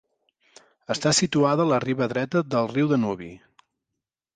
Està situada a la riba dreta del riu Danubi.